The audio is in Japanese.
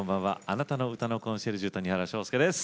あなたの歌のコンシェルジュ谷原章介です。